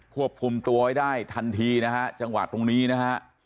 ควบคุมตัวไว้ได้ทันทีนะฮะจังหวะตรงนี้นะฮะ